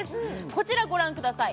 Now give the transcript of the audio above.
こちらご覧ください